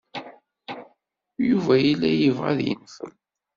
Yuba yella yebɣa ad yenfel.